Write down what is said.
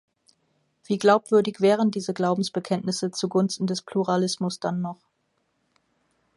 Wie glaubwürdig wären diese Glaubensbekenntnisse zugunsten des Pluralismus dann noch?